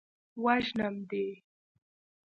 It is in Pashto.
وژنم دې.